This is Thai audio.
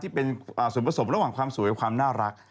ที่เป็นส่วนผสมระหว่างความสวยกับความน่ารัก